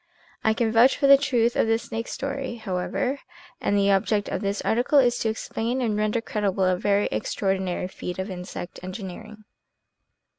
I can vouch for the truth of the snake story, however, and the object of this article is to explain and render credible a very extraordinary feat of insect engineering.